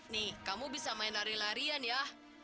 nih kamu bisa main lari larian ya